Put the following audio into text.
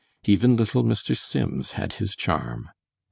Even little Mr. Sims had his charm.